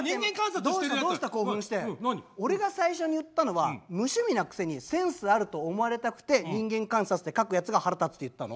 俺が最初に言ったのは無趣味なくせにセンスあると思われたくて「人間観察」って書くやつが腹立つって言ったの。